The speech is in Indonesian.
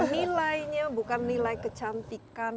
nilainya bukan nilai kecantikan